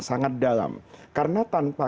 sangat dalam karena tanpa